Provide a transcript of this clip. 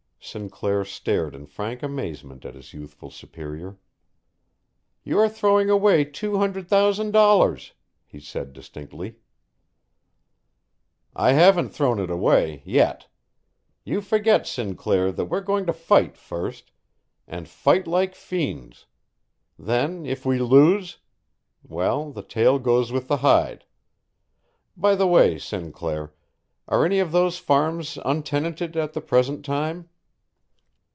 Sinclair stared in frank amazement at his youthful superior. "You are throwing away two hundred thousand dollars," he said distinctly. "I haven't thrown it away yet. You forget, Sinclair, that we're going to fight first and fight like fiends; then if we lose well, the tail goes with the hide, By the way, Sinclair, are any of those farms untenanted at the present time?"